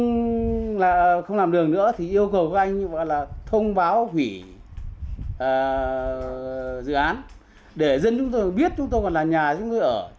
nhưng là không làm đường nữa thì yêu cầu các anh như vậy là thông báo hủy dự án để dân chúng tôi biết chúng tôi còn là nhà chúng tôi ở